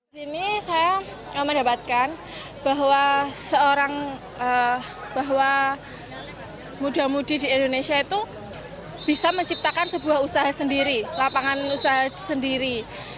di sini saya mendapatkan bahwa seorang bahwa muda mudi di indonesia itu bisa menciptakan sebuah usaha sendiri lapangan usaha sendiri